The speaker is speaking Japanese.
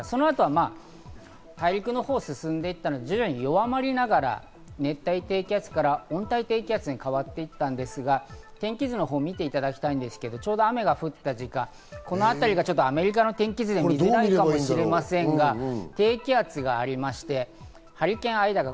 大陸のほうに進んで行ったので徐々に弱まりながら熱帯低気圧から温帯低気圧に変わっていったんですが、天気図のほうを見ていただきたいんですけど、ちょうど雨が降った時間、このあたりがアメリカの天気図で見ると見づらいかもしれませんが低気圧がありましてハリケーン、アイダが。